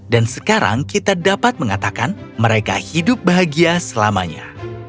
dan sekarang kita dapat mengatakan mereka hidup bahagia selamanya